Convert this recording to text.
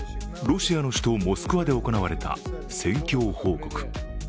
ロシアの首都モスクワで行われた戦況報告。